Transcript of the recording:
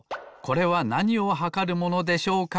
「これはなにをはかるものでしょうか？